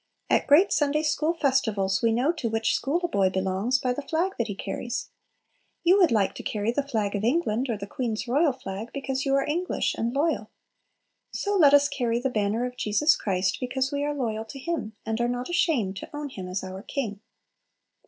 At great Sunday school festivals we know to which school a boy belongs by the flag that he carries. You would like to carry the flag of England or the Queen's royal flag, because you are English and loyal. So let us carry the banner of Jesus Christ because we are loyal to Him, and are not ashamed to own Him as our King.